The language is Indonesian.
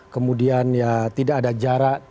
kemudian ya tidak ada jarak